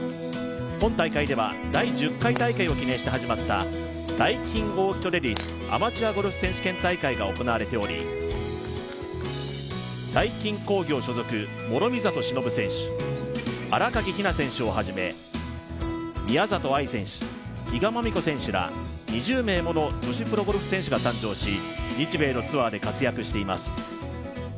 本大会では第１０回大会を記念して始まった「ダイキンオーキッドレディス・アマチュアゴルフ選手権大会」が行われており、ダイキン工業所属諸見里しのぶ選手行われており、ダイキン工業所属諸見里しのぶ選手新垣比菜選手をはじめ、宮里藍選手、比嘉真美子選手ら２０名もの女子プロゴルフ選手が誕生し、日米のツアーで活躍しています。